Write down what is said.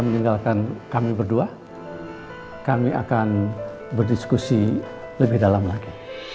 meninggalkan kami berdua kami akan berdiskusi lebih dalam lagi